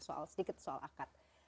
sedikit soal akat